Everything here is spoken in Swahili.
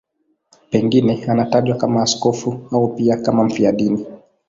Pengine anatajwa kama askofu au pia kama mfiadini.